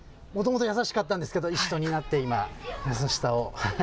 もともと優しかったんですけれども、一緒になって、今、優しさを。